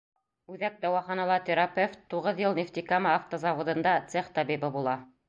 Үҙәк дауаханала терапевт, туғыҙ йыл Нефтекама автозаводында цех табибы була.